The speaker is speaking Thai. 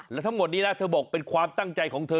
และทั้งหมดนี้นะเธอบอกเป็นความตั้งใจของเธอ